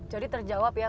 jadi terjawab ya